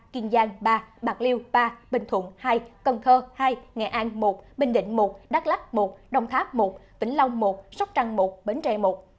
kiên giang ba bạc liêu ba bình thuận hai cần thơ hai nghệ an một bình định một đắk lắc một đồng tháp một vĩnh long một sóc trăng một bến tre một